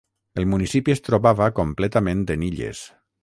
El municipi es trobava completament en illes.